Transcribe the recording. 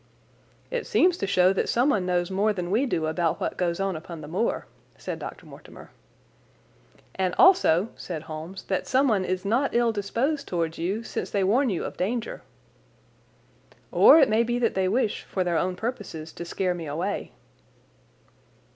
"It seems to show that someone knows more than we do about what goes on upon the moor," said Dr. Mortimer. "And also," said Holmes, "that someone is not ill disposed towards you, since they warn you of danger." "Or it may be that they wish, for their own purposes, to scare me away."